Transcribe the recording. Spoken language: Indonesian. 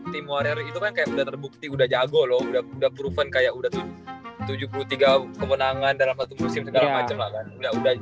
tim warrior itu kan kayak udah terbukti udah jago loh udah proven kayak udah tujuh puluh tiga kemenangan dalam satu musim segala macam lah kan